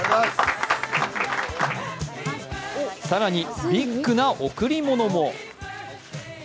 更に、ビッグな贈り物も。